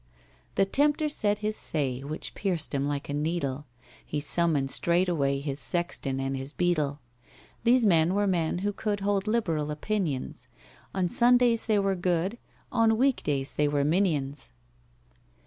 The tempter said his say, Which pierced him like a needle— He summoned straight away His sexton and his beadle. (These men were men who could Hold liberal opinions: On Sundays they were good— On week days they were minions.)